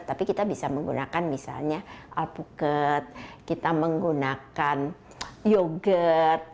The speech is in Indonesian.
tapi kita bisa menggunakan misalnya alpukat kita menggunakan yogurt